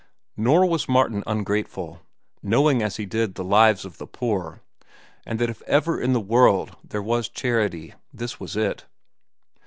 Nor was Martin ungrateful, knowing as he did the lives of the poor, and that if ever in the world there was charity, this was it.